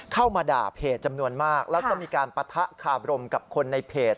เข้ามาด่าเพจจำนวนมากแล้วก็มีการปะทะคาบรมกับคนในเพจ